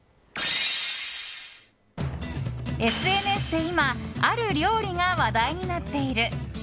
ＳＮＳで今ある料理が話題になっている。